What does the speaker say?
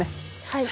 はい。